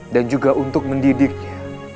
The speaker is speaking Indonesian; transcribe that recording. dan juga untuk mendidiknya